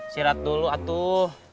sirat dulu atuh